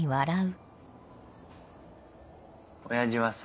親父はさ。